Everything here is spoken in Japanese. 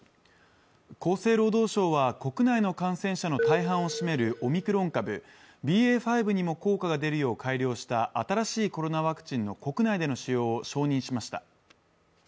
厚生労働省は、国内の感染者の大半を占めるオミクロン株ＢＡ．５にも効果が出るよう改良した新しいコロナワクチンの国内での使用を承認しました。